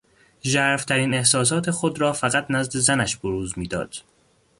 ژرفترین احساسات خود را فقط نزد زنش بروز میداد.